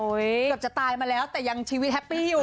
เกือบจะตายมาแล้วแต่ยังชีวิตแฮปปี้อยู่